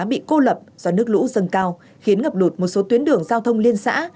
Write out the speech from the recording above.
bị cô lập do nước lũ dâng cao khiến ngập lụt một số tuyến đường giao thông liên xã